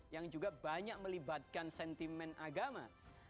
yang juga banyak melibatkan sentimen agama